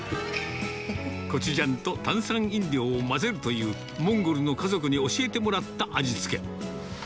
コチュジャンと炭酸飲料を混ぜるという、モンゴルの家族に教えてもらった味付け。